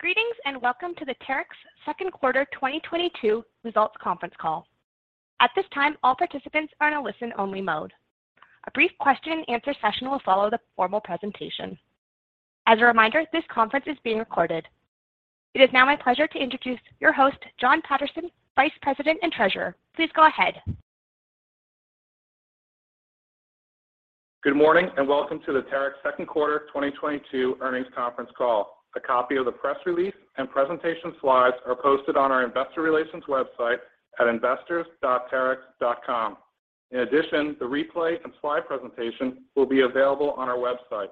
Greetings, and welcome to the Terex Second Quarter 2022 Results Conference Call. At this time, all participants are in a listen only mode. A brief question-and-answer session will follow the formal presentation. As a reminder, this conference is being recorded. It is now my pleasure to introduce your host, Jon Paterson, Vice President and Treasurer. Please go ahead. Good morning, and welcome to the Terex Second Quarter 2022 Earnings Conference Call. A copy of the press release and presentation slides are posted on our investor relations website at investors.terex.com. In addition, the replay and slide presentation will be available on our website.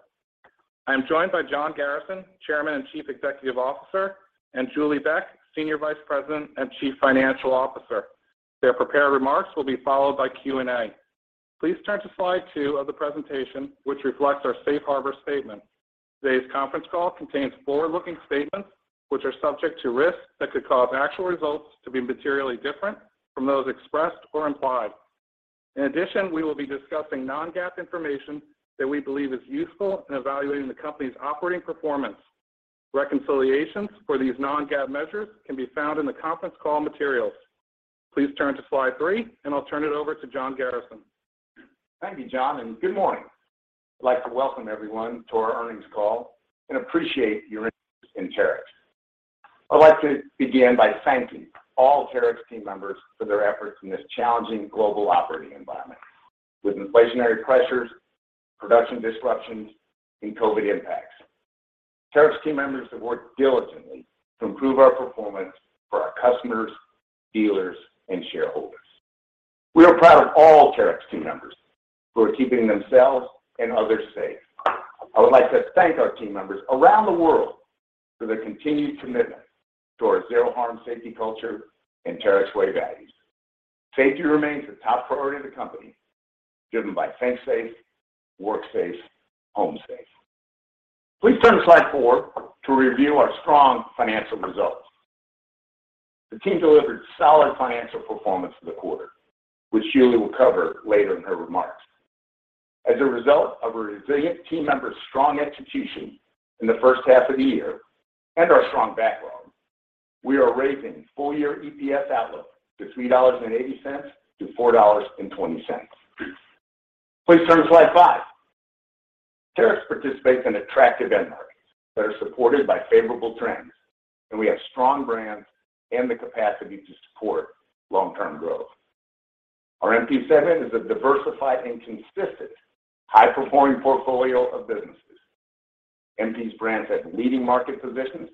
I am joined by John Garrison, Chairman and Chief Executive Officer, and Julie Beck, Senior Vice President and Chief Financial Officer. Their prepared remarks will be followed by Q&A. Please turn to slide two of the presentation, which reflects our safe harbor statement. Today's conference call contains forward-looking statements which are subject to risks that could cause actual results to be materially different from those expressed or implied. In addition, we will be discussing non-GAAP information that we believe is useful in evaluating the company's operating performance. Reconciliations for these non-GAAP measures can be found in the conference call materials. Please turn to slide three, and I'll turn it over to John Garrison. Thank you, John, and good morning. I'd like to welcome everyone to our earnings call and appreciate your interest in Terex. I'd like to begin by thanking all Terex team members for their efforts in this challenging global operating environment. With inflationary pressures, production disruptions, and COVID impacts, Terex team members have worked diligently to improve our performance for our customers, dealers, and shareholders. We are proud of all Terex team members who are keeping themselves and others safe. I would like to thank our team members around the world for their continued commitment to our Zero Harm safety culture and Terex Way values. Safety remains the top priority of the company, driven by Think Safe, Work Safe, Home Safe. Please turn to slide four to review our strong financial results. The team delivered solid financial performance for the quarter, which Julie will cover later in her remarks. As a result of our resilient team members' strong execution in the first half of the year and our strong backlog, we are raising full-year EPS outlook to $3.80-$4.20. Please turn to slide five. Terex participates in attractive end markets that are supported by favorable trends, and we have strong brands and the capacity to support long-term growth. Our MP segment is a diversified and consistent high-performing portfolio of businesses. MP's brands have leading market positions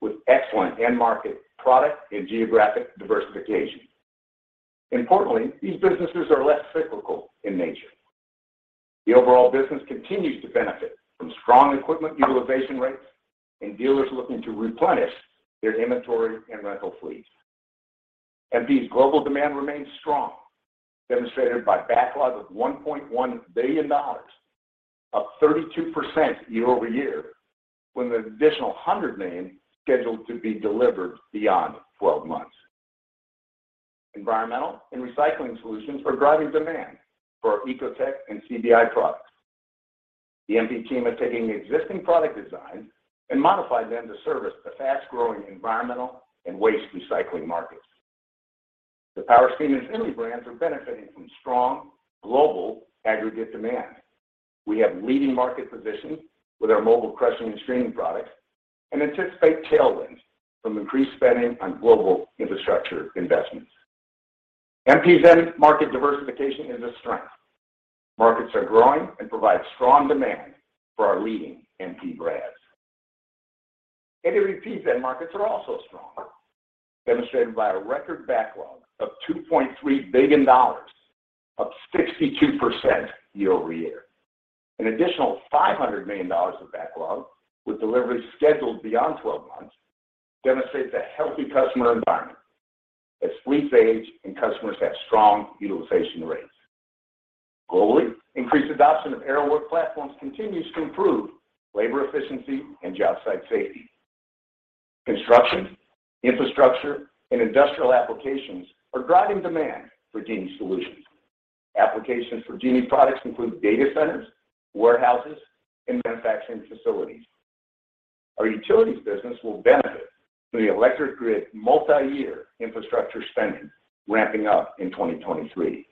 with excellent end market product and geographic diversification. Importantly, these businesses are less cyclical in nature. The overall business continues to benefit from strong equipment utilization rates and dealers looking to replenish their inventory and rental fleets. MP's global demand remains strong, demonstrated by backlog of $1.1 billion, up 32% year-over-year, with an additional $100 million scheduled to be delivered beyond 12 months. Environmental and recycling solutions are driving demand for Ecotec and CBI products. The MP team is taking existing product designs and modify them to service the fast-growing environmental and waste recycling markets. The Powerscreen and Finlay brands are benefiting from strong global aggregate demand. We have leading market positions with our mobile crushing and screening products and anticipate tailwinds from increased spending on global infrastructure investments. MP's end market diversification is a strength. Markets are growing and provide strong demand for our leading MP brands. AWP's end markets are also strong, demonstrated by a record backlog of $2.3 billion, up 62% year-over-year. An additional $500 million of backlog with deliveries scheduled beyond 12 months demonstrates a healthy customer environment as fleets age and customers have strong utilization rates. Globally, increased adoption of Aerial Work Platforms continues to improve labor efficiency and job site safety. Construction, infrastructure, and industrial applications are driving demand for Genie solutions. Applications for Genie products include data centers, warehouses, and manufacturing facilities. Our utilities business will benefit from the electric grid multi-year infrastructure spending ramping up in 2023.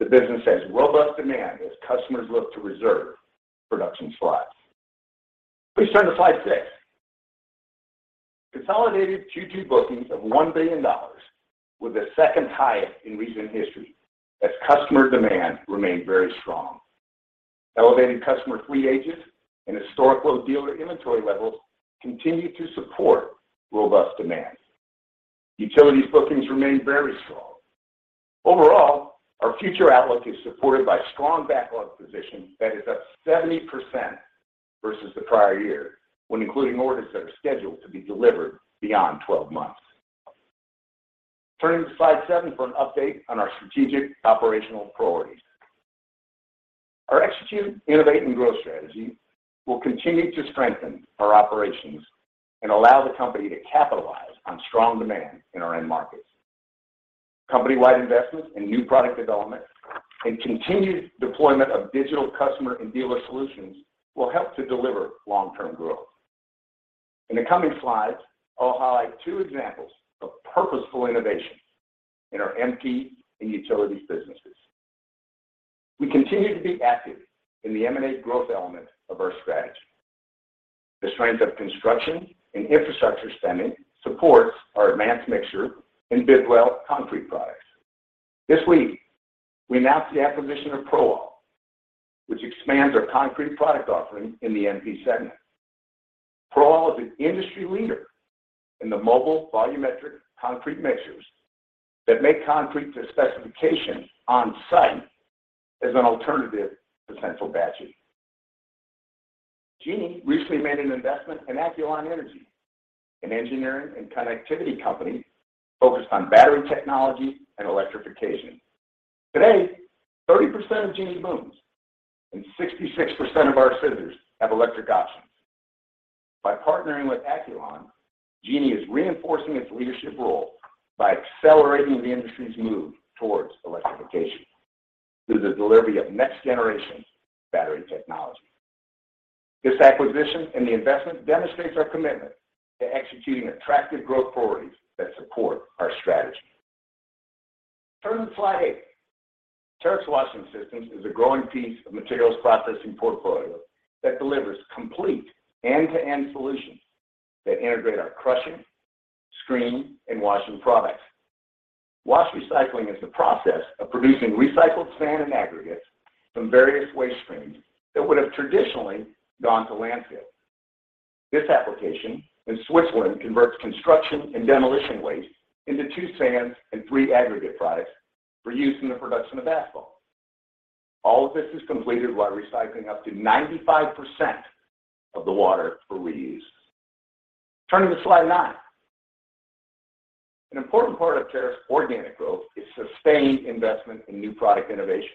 The business has robust demand as customers look to reserve production slots. Please turn to slide six. Consolidated Q2 bookings of $1 billion were the second highest in recent history as customer demand remained very strong. Elevated customer fleet ages and historical dealer inventory levels continue to support robust demand. Utilities bookings remained very strong. Overall, our future outlook is supported by strong backlog position that is up 70% versus the prior year when including orders that are scheduled to be delivered beyond 12 months. Turning to slide seven for an update on our strategic operational priorities. Our execute, innovate, and growth strategy will continue to strengthen our operations and allow the company to capitalize on strong demand in our end markets. Company-wide investments in new product development and continued deployment of digital customer and dealer solutions will help to deliver long-term growth. In the coming slides, I'll highlight two examples of purposeful innovation in our MP and utilities businesses. We continue to be active in the M&A growth element of our strategy. The strength of construction and infrastructure spending supports our Advance Mixer and Bid-Well. This week, we announced the acquisition of ProAll, which expands our concrete product offering in the MP segment. ProAll is an industry leader in the mobile volumetric concrete mixers that make concrete to specification on-site as an alternative to central batching. Genie recently made an investment in Acculon Energy, an engineering and connectivity company focused on battery technology and electrification. Today, 30% of Genie booms and 66% of our scissors have electric options. By partnering with Acculon, Genie is reinforcing its leadership role by accelerating the industry's move towards electrification through the delivery of next generation battery technology. This acquisition and the investment demonstrates our commitment to executing attractive growth priorities that support our strategy. Turn to slide eight. Terex Washing Systems is a growing piece of Materials Processing portfolio that delivers complete end-to-end solutions that integrate our crushing, screening, and washing products. Wash recycling is the process of producing recycled sand and aggregate from various waste streams that would have traditionally gone to landfills. This application in Switzerland converts construction and demolition waste into two sands and three aggregate products for use in the production of asphalt. All of this is completed while recycling up to 95% of the water for reuse. Turning to slide nine. An important part of Terex organic growth is sustained investment in new product innovation.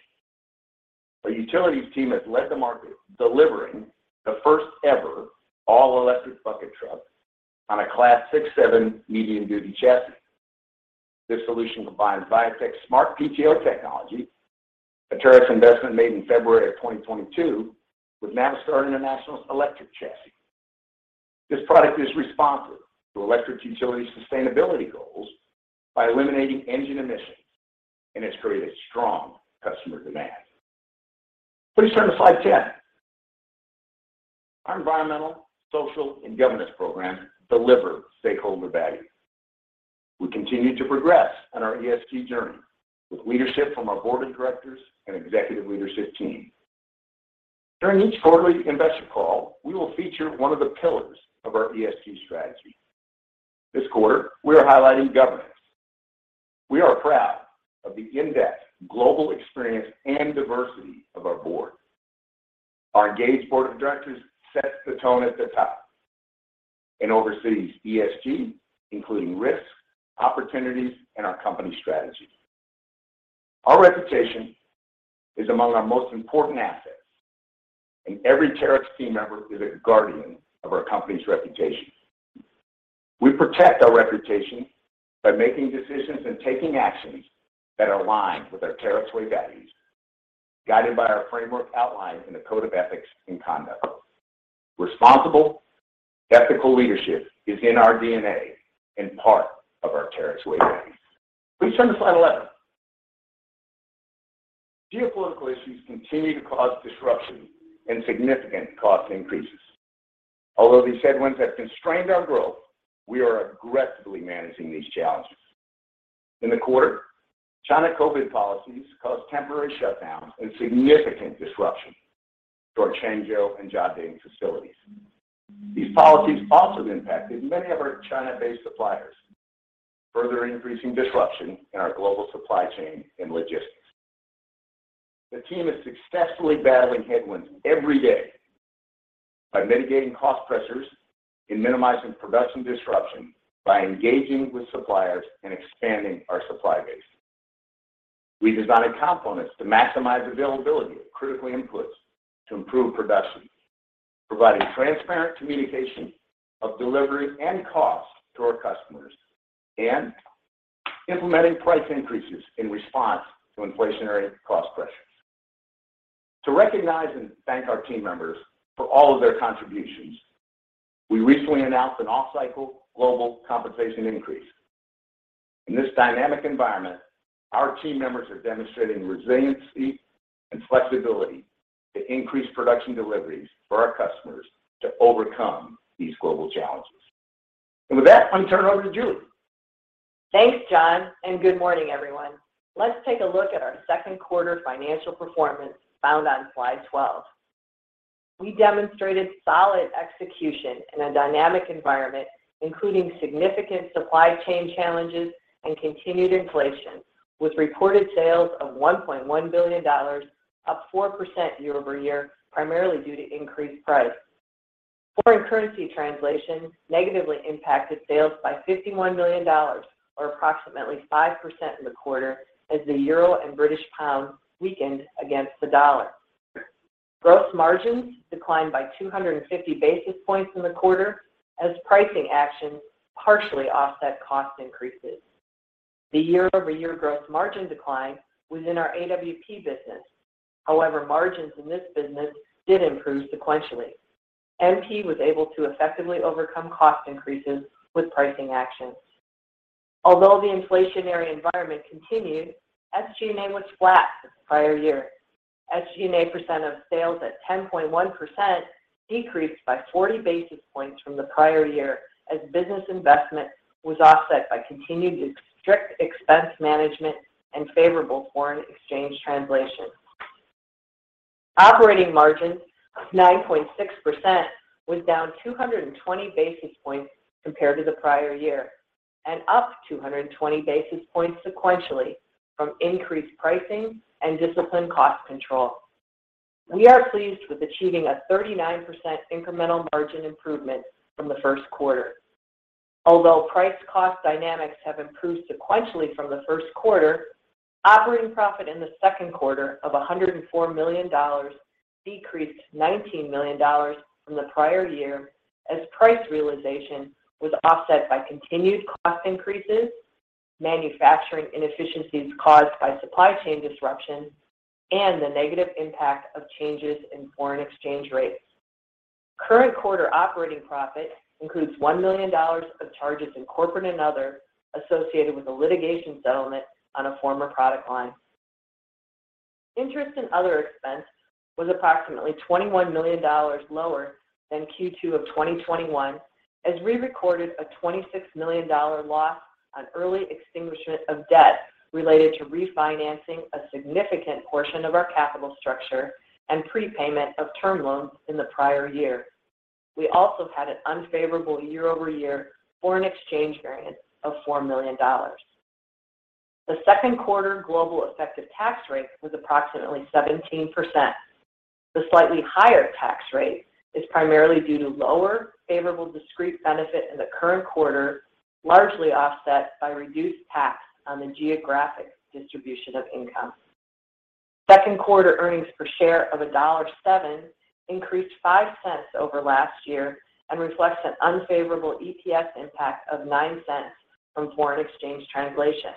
Our utilities team has led the market delivering the first-ever all-electric bucket truck on a Class 6/7 Medium-Duty chassis. This solution combines Viatec SmartPTO technology, a Terex investment made in February of 2022, with Navistar International's electric chassis. This product is responsive to electric utility sustainability goals by eliminating engine emissions, and it's created strong customer demand. Please turn to slide 10. Our environmental, social, and governance programs deliver stakeholder value. We continue to progress on our ESG journey with leadership from our board of directors and executive leadership team. During each quarterly investor call, we will feature one of the pillars of our ESG strategy. This quarter, we are highlighting governance. We are proud of the in-depth global experience and diversity of our board. Our engaged board of directors sets the tone at the top and oversees ESG, including risks, opportunities, and our company strategy. Our reputation is among our most important assets, and every Terex team member is a guardian of our company's reputation. We protect our reputation by making decisions and taking actions that align with our Terex Way values, guided by our framework outlined in the Code of Ethics and Conduct. Responsible ethical leadership is in our DNA and part of our Terex Way values. Please turn to slide 11. Geopolitical issues continue to cause disruption and significant cost increases. Although these headwinds have constrained our growth, we are aggressively managing these challenges. In the quarter, China COVID policies caused temporary shutdowns and significant disruption to our Changzhou and Jiading facilities. These policies also impacted many of our China-based suppliers, further increasing disruption in our global supply chain and logistics. The team is successfully battling headwinds every day by mitigating cost pressures and minimizing production disruption by engaging with suppliers and expanding our supply base. We've designed components to maximize availability of critical inputs to improve production, providing transparent communication of delivery and cost to our customers, and implementing price increases in response to inflationary cost pressures. To recognize and thank our team members for all of their contributions, we recently announced an off-cycle global compensation increase. In this dynamic environment, our team members are demonstrating resiliency and flexibility to increase production deliveries for our customers to overcome these global challenges. With that, let me turn it over to Julie. Thanks, John, and good morning, everyone. Let's take a look at our second quarter financial performance found on slide 12. We demonstrated solid execution in a dynamic environment, including significant supply chain challenges and continued inflation, with reported sales of $1.1 billion, up 4% year-over-year, primarily due to increased price. Foreign currency translation negatively impacted sales by $51 million or approximately 5% in the quarter as the euro and British pound weakened against the dollar. Gross margins declined by 250 basis points in the quarter as pricing actions partially offset cost increases. The year-over-year gross margin decline was in our AWP business. However, margins in this business did improve sequentially. MP was able to effectively overcome cost increases with pricing actions. Although the inflationary environment continued, SG&A was flat with the prior year. SG&A percent of sales at 10.1% decreased by 40 basis points from the prior year as business investment was offset by continued strict expense management and favorable foreign exchange translation. Operating margin of 9.6% was down 220 basis points compared to the prior year and up 220 basis points sequentially from increased pricing and disciplined cost control. We are pleased with achieving a 39% incremental margin improvement from the first quarter. Although price cost dynamics have improved sequentially from the first quarter, operating profit in the second quarter of $104 million decreased $19 million from the prior year as price realization was offset by continued cost increases, manufacturing inefficiencies caused by supply chain disruptions, and the negative impact of changes in foreign exchange rates. Current quarter operating profit includes $1 million of charges in corporate and other associated with a litigation settlement on a former product line. Interest and other expense was approximately $21 million lower than Q2 of 2021 as we recorded a $26 million loss on early extinguishment of debt related to refinancing a significant portion of our capital structure and prepayment of term loans in the prior year. We also had an unfavorable year-over-year foreign exchange variance of $4 million. The second quarter global effective tax rate was approximately 17%. The slightly higher tax rate is primarily due to lower favorable discrete benefit in the current quarter, largely offset by reduced tax on the geographic distribution of income. Second quarter earnings per share of $1.07 increased $0.05 over last year and reflects an unfavorable EPS impact of $0.09 from foreign exchange translation.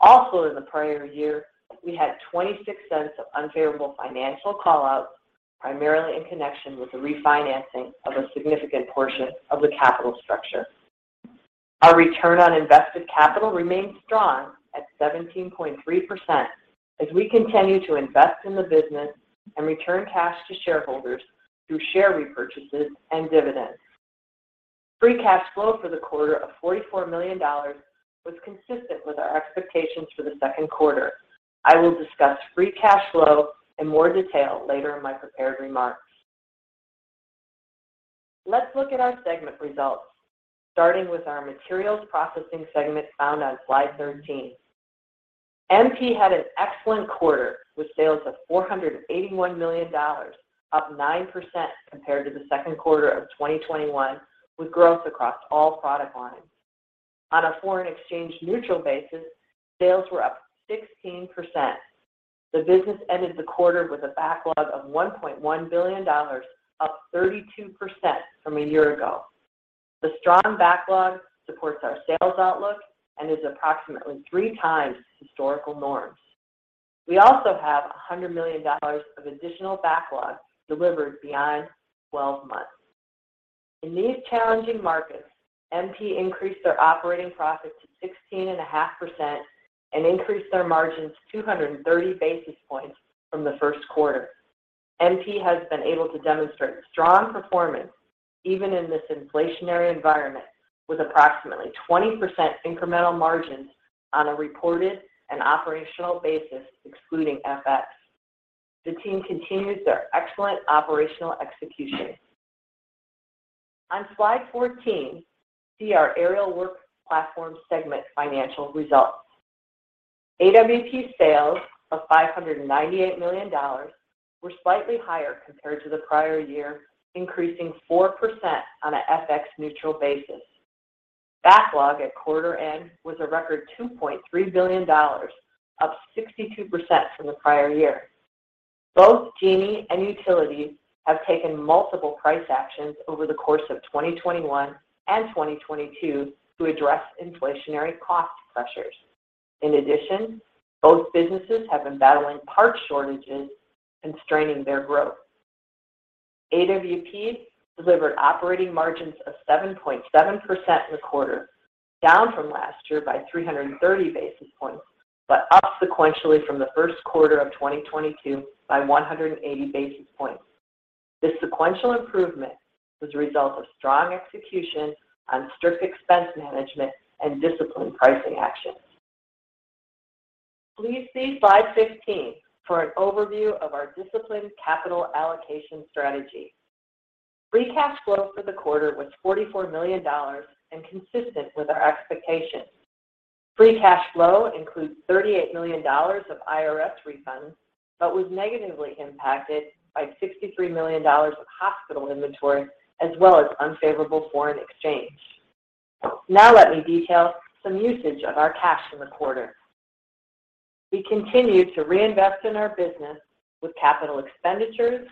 Also in the prior year, we had $0.26 of unfavorable financial call-outs, primarily in connection with the refinancing of a significant portion of the capital structure. Our return on invested capital remains strong at 17.3% as we continue to invest in the business and return cash to shareholders through share repurchases and dividends. Free cash flow for the quarter of $44 million was consistent with our expectations for the second quarter. I will discuss free cash flow in more detail later in my prepared remarks. Let's look at our segment results, starting with our Materials Processing segment found on slide 13. MP had an excellent quarter with sales of $481 million, up 9% compared to the second quarter of 2021, with growth across all product lines. On a foreign exchange neutral basis, sales were up 16%. The business ended the quarter with a backlog of $1.1 billion, up 32% from a year ago. The strong backlog supports our sales outlook and is approximately 3x historical norms. We also have $100 million of additional backlog delivered beyond 12 months. In these challenging markets, MP increased their operating profit to 16.5% and increased their margin to 230 basis points from the first quarter. MP has been able to demonstrate strong performance even in this inflationary environment with approximately 20% incremental margins on a reported and operational basis, excluding FX. The team continues their excellent operational execution. On slide 14, see our Aerial Work Platform segment financial results. AWP sales of $598 million were slightly higher compared to the prior year, increasing 4% on an FX neutral basis. Backlog at quarter end was a record $2.3 billion, up 62% from the prior year. Both Genie and Utility have taken multiple price actions over the course of 2021 and 2022 to address inflationary cost pressures. In addition, both businesses have been battling parts shortages constraining their growth. AWP delivered operating margins of 7.7% in the quarter, down from last year by 330 basis points, but up sequentially from the first quarter of 2022 by 180 basis points. This sequential improvement was a result of strong execution on strict expense management and disciplined pricing actions. Please see slide 15 for an overview of our disciplined capital allocation strategy. Free cash flow for the quarter was $44 million and consistent with our expectations. Free cash flow includes $38 million of IRS refunds, but was negatively impacted by $63 million of higher inventory as well as unfavorable foreign exchange. Now let me detail some usage of our cash in the quarter. We continue to reinvest in our business with capital expenditures,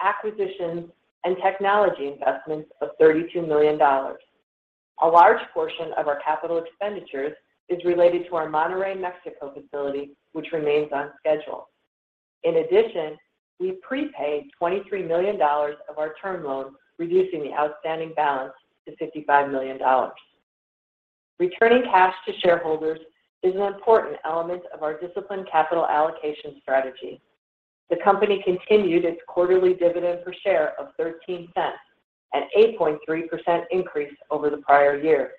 acquisitions, and technology investments of $32 million. A large portion of our capital expenditures is related to our Monterrey, Mexico facility, which remains on schedule. In addition, we prepaid $23 million of our term loan, reducing the outstanding balance to $55 million. Returning cash to shareholders is an important element of our disciplined capital allocation strategy. The company continued its quarterly dividend per share of $0.13, an 8.3% increase over the prior year.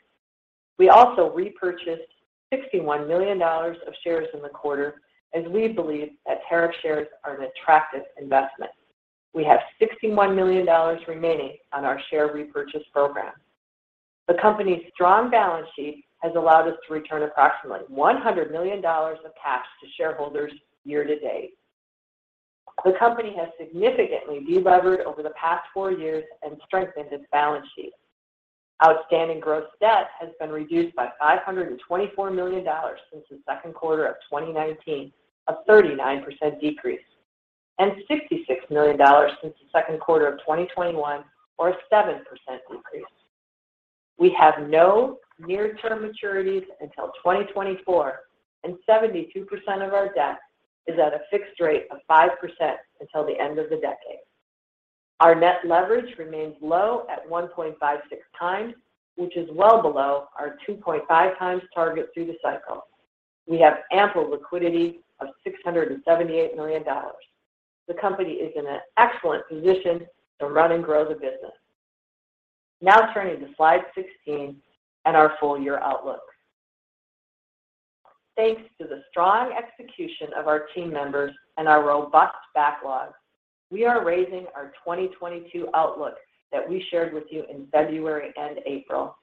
We also repurchased $61 million of shares in the quarter, as we believe that Terex shares are an attractive investment. We have $61 million remaining on our share repurchase program. The company's strong balance sheet has allowed us to return approximately $100 million of cash to shareholders year-to-date. The company has significantly delevered over the past four years and strengthened its balance sheet. Outstanding gross debt has been reduced by $524 million since the second quarter of 2019, a 39% decrease, and $66 million since the second quarter of 2021, or a 7% decrease. We have no near-term maturities until 2024, and 72% of our debt is at a fixed rate of 5% until the end of the decade. Our net leverage remains low at 1.56x, which is well below our 2.5x target through the cycle. We have ample liquidity of $678 million. The company is in an excellent position to run and grow the business. Now turning to slide 16 and our full-year outlook. Thanks to the strong execution of our team members and our robust backlog, we are raising our 2022 outlook that we shared with you in February and April.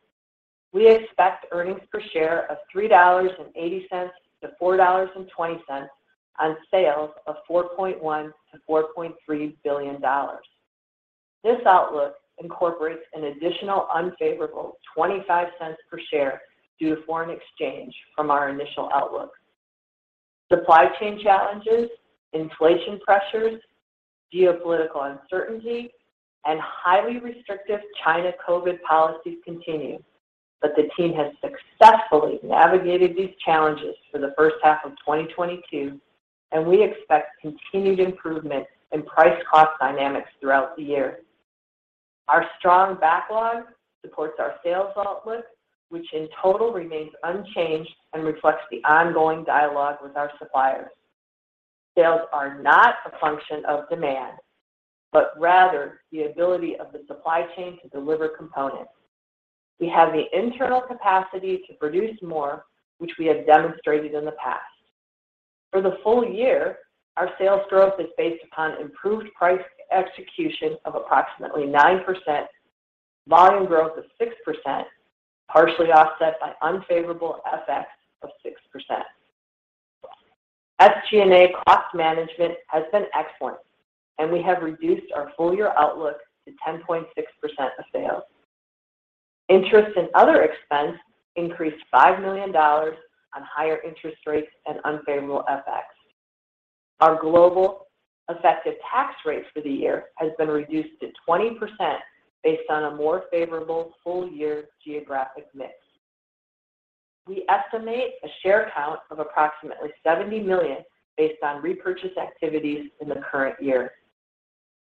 We expect earnings per share of $3.80 to $4.20 on sales of $4.1 billion-$4.3 billion. This outlook incorporates an additional unfavorable $0.25 per share due to foreign exchange from our initial outlook. Supply chain challenges, inflation pressures, geopolitical uncertainty, and highly restrictive China COVID policies continue, but the team has successfully navigated these challenges for the first half of 2022, and we expect continued improvement in price-cost dynamics throughout the year. Our strong backlog supports our sales outlook, which in total remains unchanged and reflects the ongoing dialogue with our suppliers. Sales are not a function of demand, but rather the ability of the supply chain to deliver components. We have the internal capacity to produce more, which we have demonstrated in the past. For the full year, our sales growth is based upon improved price execution of approximately 9%, volume growth of 6%, partially offset by unfavorable FX of 6%. SG&A cost management has been excellent, and we have reduced our full-year outlook to 10.6% of sales. Interest and other expense increased $5 million on higher interest rates and unfavorable FX. Our global effective tax rates for the year has been reduced to 20% based on a more favorable full-year geographic mix. We estimate a share count of approximately 70 million based on repurchase activities in the current year.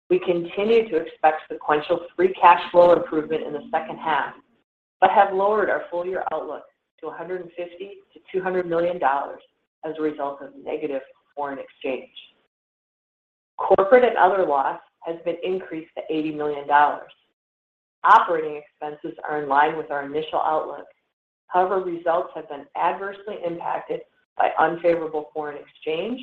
We continue to expect sequential free cash flow improvement in the second half, but have lowered our full-year outlook to $150 million-$200 million as a result of negative foreign exchange. Corporate and other loss has been increased to $80 million. Operating expenses are in line with our initial outlook. However, results have been adversely impacted by unfavorable foreign exchange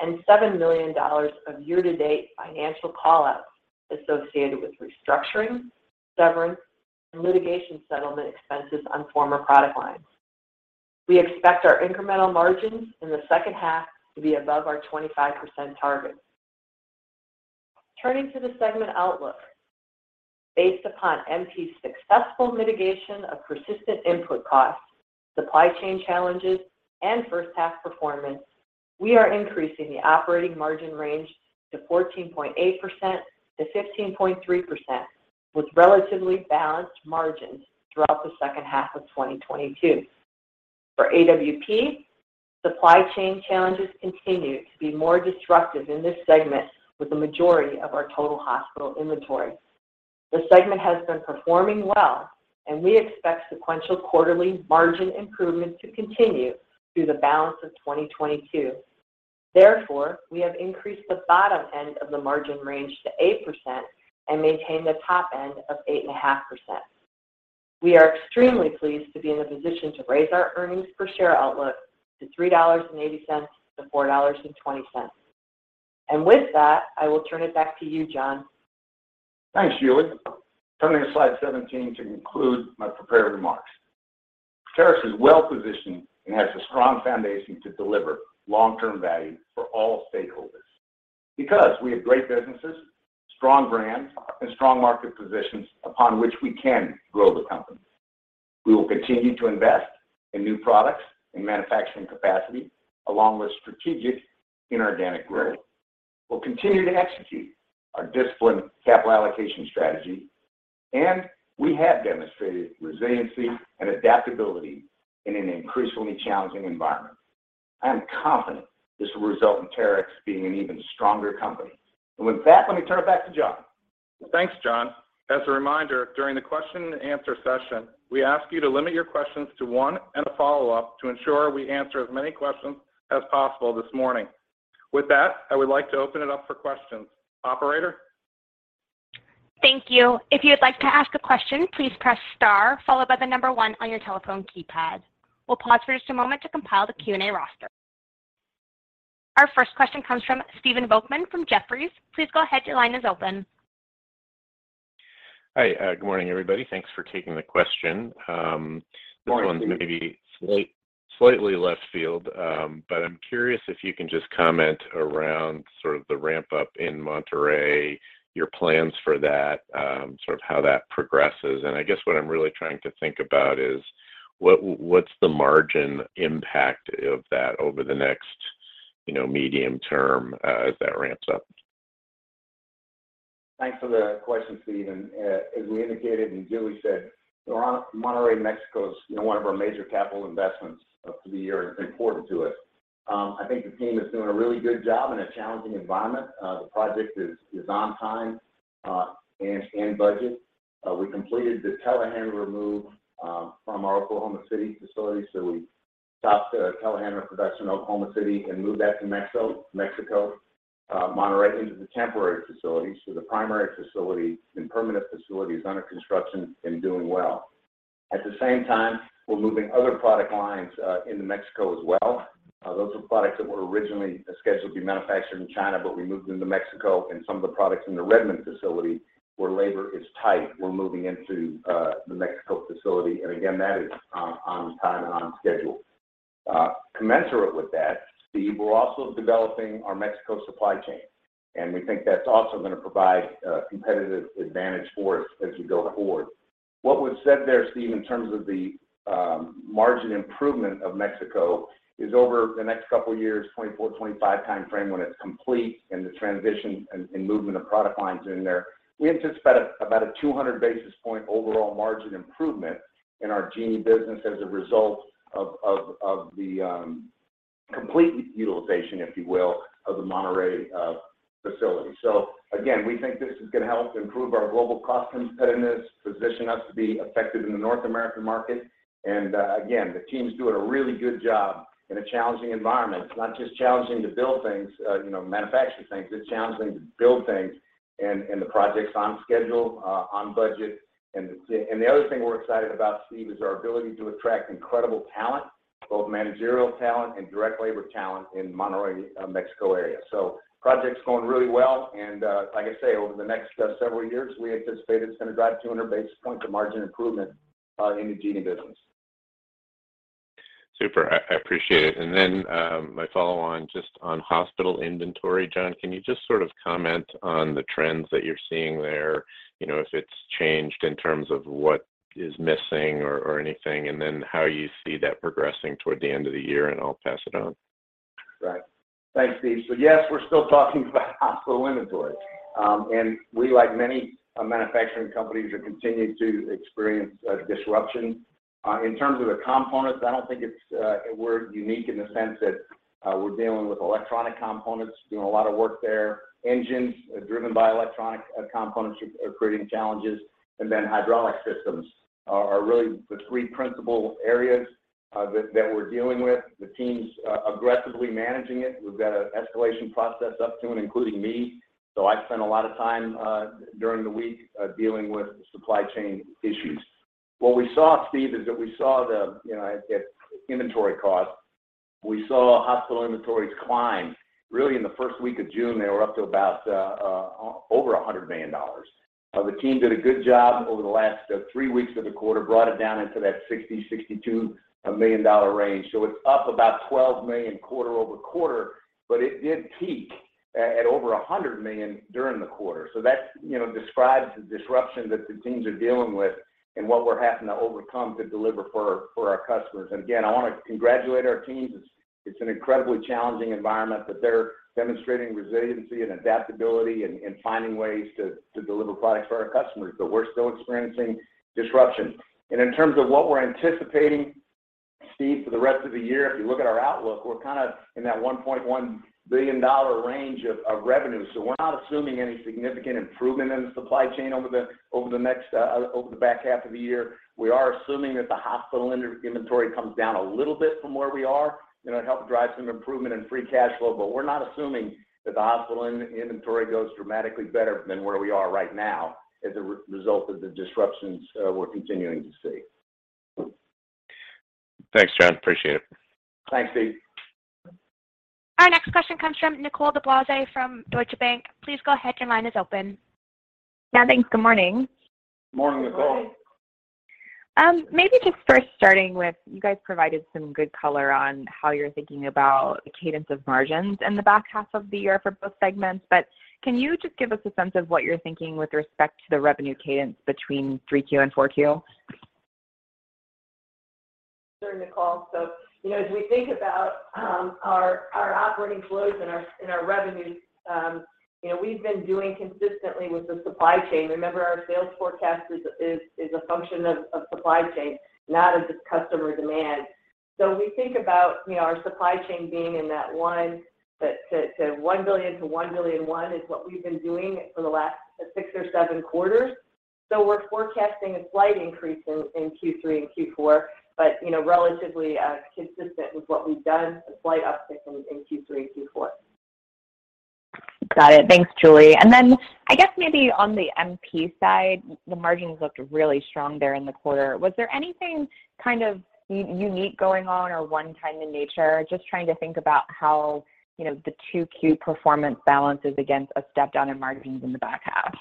and $7 million of year-to-date financial call-outs associated with restructuring, severance, and litigation settlement expenses on former product lines. We expect our incremental margins in the second half to be above our 25% target. Turning to the segment outlook. Based upon MP's successful mitigation of persistent input costs, supply chain challenges, and first-half performance, we are increasing the operating margin range to 14.8%-15.3%, with relatively balanced margins throughout the second half of 2022. For AWP, supply chain challenges continue to be more disruptive in this segment with the majority of our total global inventory. The segment has been performing well, and we expect sequential quarterly margin improvements to continue through the balance of 2022. Therefore, we have increased the bottom end of the margin range to 8% and maintained the top end of 8.5%. We are extremely pleased to be in a position to raise our earnings per share outlook to $3.80 to $4.20. With that, I will turn it back to you, John. Thanks, Julie. Turning to slide 17 to conclude my prepared remarks. Terex is well positioned and has a strong foundation to deliver long-term value for all stakeholders. Because we have great businesses, strong brands, and strong market positions upon which we can grow the company. We will continue to invest in new products and manufacturing capacity, along with strategic inorganic growth. We'll continue to execute our disciplined capital allocation strategy, and we have demonstrated resiliency and adaptability in an increasingly challenging environment. I am confident this will result in Terex being an even stronger company. With that, let me turn it back to Jon. Thanks, John. As a reminder, during the question and answer session, we ask you to limit your questions to one and a follow-up to ensure we answer as many questions as possible this morning. With that, I would like to open it up for questions. Operator? Thank you. If you would like to ask a question, please press star followed by the number one on your telephone keypad. We'll pause for just a moment to compile the Q&A roster. Our first question comes from Stephen Volkmann from Jefferies. Please go ahead. Your line is open. Hi. Good morning, everybody. Thanks for taking the question. Good morning. This one's maybe slightly left field, but I'm curious if you can just comment around sort of the ramp-up in Monterrey, your plans for that, sort of how that progresses. I guess what I'm really trying to think about is what's the margin impact of that over the next, you know, medium term, as that ramps up? Thanks for the question, Stephen. As we indicated and Julie said, Monterrey, Mexico is, you know, one of our major capital investments for the year and important to us. I think the team is doing a really good job in a challenging environment. The project is on time and in budget. We completed the telehandler remove from our Oklahoma City facility, so we stopped the telehandler production in Oklahoma City and moved that to Mexico, Monterrey into the temporary facility. The primary facility and permanent facility is under construction and doing well. At the same time, we're moving other product lines into Mexico as well. Those are products that were originally scheduled to be manufactured in China, but we moved them to Mexico and some of the products in the Redmond facility where labor is tight, we're moving into the Mexico facility. Again, that is on time and on schedule. Commensurate with that, Steve, we're also developing our Mexico supply chain, and we think that's also gonna provide competitive advantage for us as we go forward. What was said there, Stephen, in terms of the margin improvement of Mexico is over the next couple of years, 2024, 2025 timeframe, when it's complete and the transition and movement of product lines in there, we anticipate about 200 basis points overall margin improvement in our Genie business as a result of the complete utilization, if you will, of the Monterrey facility. Again, we think this is gonna help improve our global cost competitiveness, position us to be effective in the North American market. Again, the team's doing a really good job in a challenging environment. It's not just challenging to build things, you know, manufacture things. It's challenging to build things and the project's on schedule, on budget. The other thing we're excited about, Stephen, is our ability to attract incredible talent, both managerial talent and direct labor talent in Monterrey, Mexico area. Project's going really well. Like I say, over the next several years, we anticipate it's gonna drive 200 basis points of margin improvement in the Genie business. Super. I appreciate it. My follow-on just on hospital inventory. John, can you just sort of comment on the trends that you're seeing there? You know, if it's changed in terms of what is missing or anything, and then how you see that progressing toward the end of the year, and I'll pass it on. Right. Thanks, Stephen. Yes, we're still talking about higher inventory. We, like many manufacturing companies, are continuing to experience disruption. In terms of the components, I don't think it's we're unique in the sense that we're dealing with electronic components, doing a lot of work there. Engines driven by electronic components are creating challenges. Hydraulic systems are really the three principal areas that we're dealing with. The team's aggressively managing it. We've got an escalation process up to and including me. I've spent a lot of time during the week dealing with supply chain issues. What we saw, Stephen, is that at inventory costs, we saw higher inventories climb. Really in the first week of June, they were up to about over $100 million. The team did a good job over the last three weeks of the quarter, brought it down into that $60 million-$62 million range. It's up about $12 million quarter-over-quarter, but it did peak at over $100 million during the quarter. That, you know, describes the disruption that the teams are dealing with and what we're having to overcome to deliver for our customers. I wanna congratulate our teams. It's an incredibly challenging environment, but they're demonstrating resiliency and adaptability and finding ways to deliver products for our customers. We're still experiencing disruption. In terms of what we're anticipating, Stephen, for the rest of the year, if you look at our outlook, we're kind of in that $1.1 billion range of revenue. We're not assuming any significant improvement in the supply chain over the back half of the year. We are assuming that the overall inventory comes down a little bit from where we are. You know, it'll help drive some improvement in free cash flow. We're not assuming that the overall inventory goes dramatically better than where we are right now as a result of the disruptions we're continuing to see. Thanks, John. Appreciate it. Thanks, Stephen. Our next question comes from Nicole DeBlase from Deutsche Bank. Please go ahead. Your line is open. Yeah, thanks. Good morning. Morning, Nicole. Maybe just first starting with you guys provided some good color on how you're thinking about the cadence of margins in the back half of the year for both segments. Can you just give us a sense of what you're thinking with respect to the revenue cadence between 3Q and 4Q? Sure, Nicole. You know, as we think about our operating flows and our revenues, you know, we've been doing consistently with the supply chain. Remember, our sales forecast is a function of supply chain, not of just customer demand. We think about, you know, our supply chain being in that $1 billion-$1.1 billion is what we've been doing for the last six or seven quarters. We're forecasting a slight increase in Q3 and Q4, but, you know, relatively consistent with what we've done, a slight uptick in Q3 and Q4. Got it. Thanks, Julie. I guess maybe on the MP side, the margins looked really strong there in the quarter. Was there anything kind of unique going on or one-time in nature? Just trying to think about how, you know, the 2Q performance balances against a step down in margins in the back half.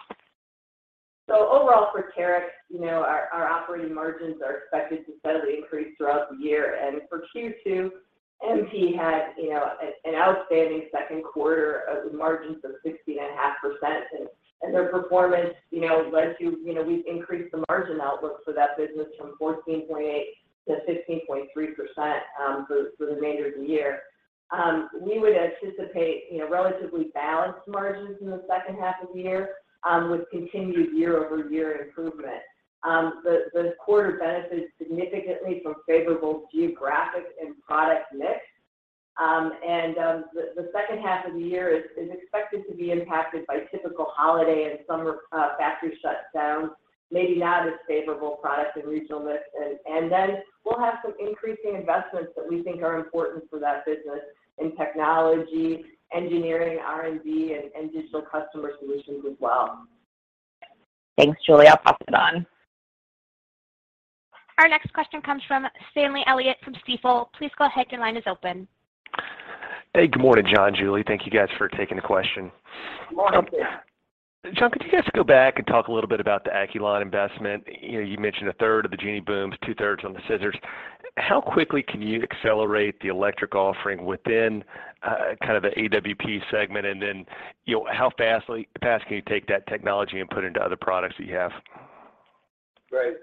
Overall for Terex, our operating margins are expected to steadily increase throughout the year. For Q2, MP had an outstanding second quarter of margins of 16.5%. Their performance led to we've increased the margin outlook for that business from 14.8% to 15.3% for the remainder of the year. We would anticipate relatively balanced margins in the second half of the year with continued year-over-year improvement. The quarter benefits significantly from favorable geographic and product mix. The second half of the year is expected to be impacted by typical holiday and summer factory shutdowns, maybe not as favorable product and regional mix. We'll have some increasing investments that we think are important for that business in technology, engineering, R&D, and digital customer solutions as well. Thanks, Julie. I'll pop it on. Our next question comes from Stanley Elliott from Stifel. Please go ahead. Your line is open. Hey, good morning, John, Julie. Thank you guys for taking the question. Morning, Stanley. John, could you guys go back and talk a little bit about the Acculon investment? You know, you mentioned a third of the Genie boom, two-thirds on the scissors. How quickly can you accelerate the electric offering within kind of the AWP segment? You know, how fast can you take that technology and put into other products that you have? Right.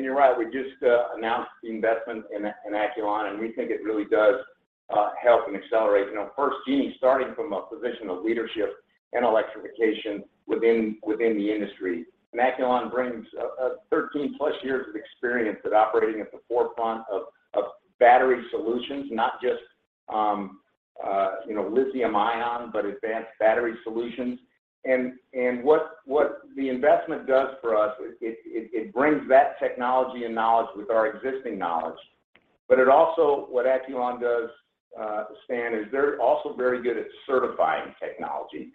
You're right. We just announced the investment in Acculon, and we think it really does help and accelerate, you know, first Genie starting from a position of leadership and electrification within the industry. Acculon brings 13+ years of experience at operating at the forefront of battery solutions, not just, you know, lithium ion, but advanced battery solutions. What the investment does for us, it brings that technology and knowledge with our existing knowledge. It also, what Acculon does, Stanley, is they're also very good at certifying technology.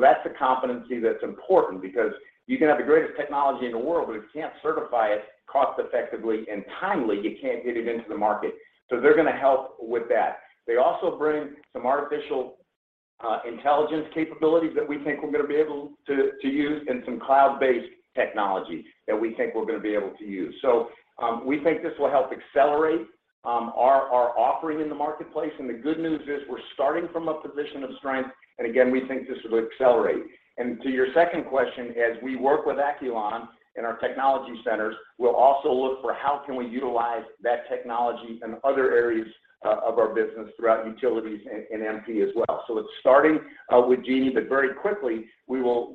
That's a competency that's important because you can have the greatest technology in the world, but if you can't certify it cost effectively and timely, you can't get it into the market. They're gonna help with that. They also bring some artificial intelligence capabilities that we think we're gonna be able to use and some cloud-based technology that we think we're gonna be able to use. We think this will help accelerate our offering in the marketplace. The good news is we're starting from a position of strength. Again, we think this will accelerate. To your second question, as we work with Acculon in our technology centers, we'll also look for how can we utilize that technology in other areas of our business throughout utilities and MP as well. It's starting with Genie, but very quickly, we will